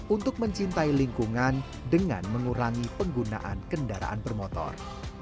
untuk mencintai lingkungan dengan mengurangi penggunaan kendaraan bermotor